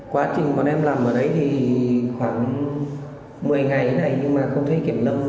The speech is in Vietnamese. quá trình bọn em làm ở đấy thì khoảng một mươi ngày thế này nhưng mà không thấy kiểm lâm